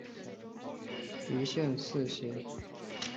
一线四星。